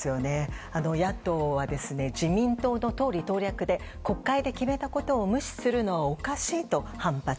野党は、自民党の党利党略で国会で決めたことを無視するのはおかしいと反発。